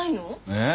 えっ？